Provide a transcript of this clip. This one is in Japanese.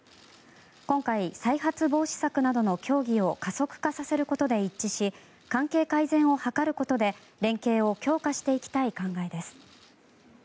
今回、再発防止策などの協議を加速化させることで一致し関係改善を図ることで連携を強化していきたい考えです。